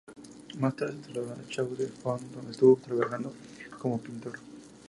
Más tarde se trasladó a Chaux-des-Fonts donde estuvo trabajando como pintor.